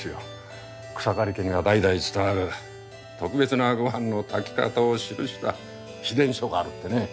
草刈家には代々伝わる特別なごはんの炊き方を記した秘伝書があるってね。